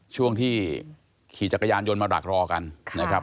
ช่วงที่ขี่จักรยานยนต์มาดักรอกันนะครับ